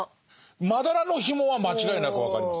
「まだらの紐」は間違いなく分かります。